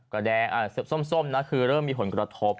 แดงส้มนะคือเริ่มมีผลกระทบ